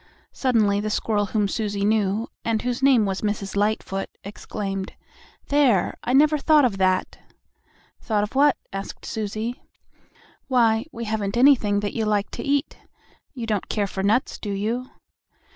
Suddenly the squirrel whom Susie knew and whose name was Mrs. Lightfoot, exclaimed: "There! I never thought of that!" "Thought of what?" asked Susie. "Why, we haven't anything that you like to eat. You don't care for nuts, do you?"